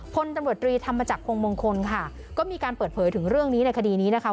พลตำรวจตรีธรรมจักรพงมงคลค่ะก็มีการเปิดเผยถึงเรื่องนี้ในคดีนี้นะคะ